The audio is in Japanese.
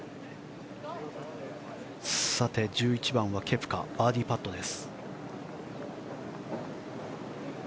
１１番はケプカバーディーパットです。